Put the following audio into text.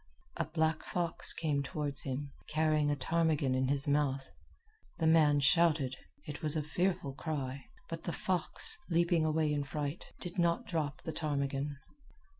A black fox came toward him, carrying a ptarmigan in his mouth. The man shouted. It was a fearful cry, but the fox, leaping away in fright, did not drop the ptarmigan.